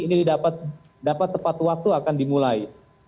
ini dapat tepat waktu akan dimulai